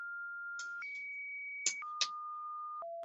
圆货贝扁裸藻为裸藻科扁裸藻属下的一个种。